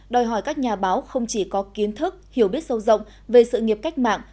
đòi hỏi các nhà báo không chỉ có kiến thức hiểu biết sâu rộng về sự nghiệp cách mạng